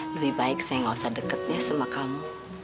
lebih baik saya gak usah deket ya sama kamu